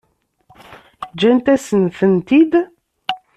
Ǧǧant-asen-tent-id?